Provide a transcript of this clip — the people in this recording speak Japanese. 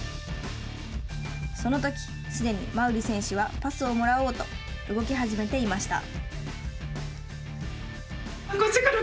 そのとき、すでに馬瓜選手はパスをもらおうと動き始めていました。